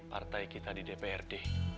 partai kita di dprd